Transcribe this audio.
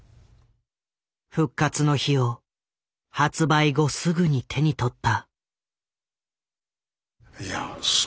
「復活の日」を発売後すぐに手に取った。